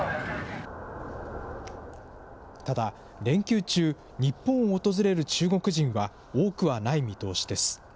ただ、連休中、日本を訪れる中国人は多くはない見通しです。